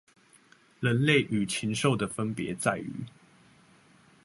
人類與禽獸的分別在於